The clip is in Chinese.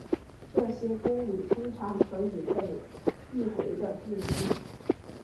这些公理通常可以被递回地定义。